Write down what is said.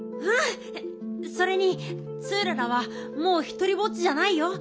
それにツーララはもうひとりぼっちじゃないよ。